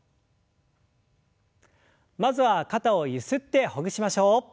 まずは肩をゆすってほぐしましょう。